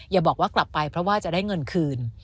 อย่าบอกว่ากลับไปเพราะว่าจะได้เงินคืน